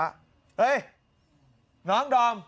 เฮ้ยน้องดอม